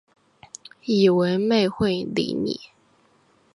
以为妹会理你